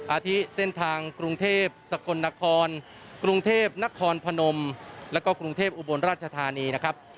อาทิเส้นทางกรุงเทพสกลนครกรุงเทพนครพนมแล้วก็กรุงเทพอุบลราชธานีนะครับ